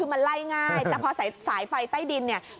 คือมันไล่ง่ายแต่พอใส่สายไฟใต้ดิน